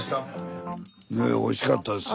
おいしかったです。